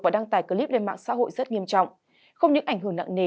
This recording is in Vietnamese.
và đăng tải clip lên mạng xã hội rất nghiêm trọng không những ảnh hưởng nặng nề